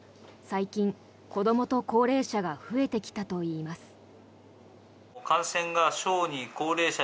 最近、子どもと高齢者が増えてきたといいます。